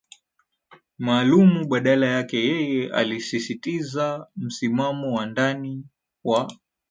maalumu Badala yake yeye alisisitiza msimamo wa ndani wa